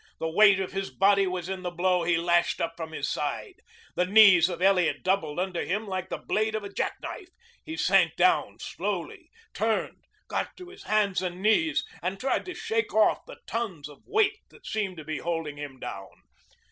The weight of his body was in the blow he lashed up from his side. The knees of Elliot doubled up under him like the blade of a jackknife. He sank down slowly, turned, got to his hands and knees, and tried to shake off the tons of weight that seemed to be holding him down.